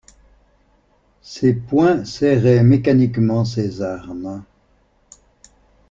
Ses poings serraient mécaniquement ses armes.